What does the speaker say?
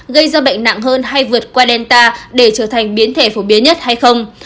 gây ra bệnh nặng hơn hay vượt qua delta để trở thành biến thể phổ biến nhất hay không